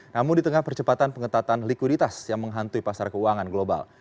namun di tengah percepatan pengetatan likuiditas yang menghantui pasar keuangan global